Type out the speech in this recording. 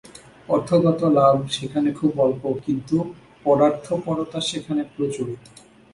অর্থগত লাভ সেখানে খুব অল্প, কিন্তু পরার্থপরতা সেখানে প্রচুর।